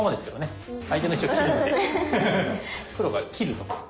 黒が「切る」とか。